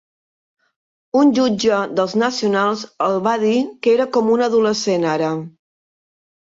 Un jutge dels Nationals el va dir que era "com un adolescent ara".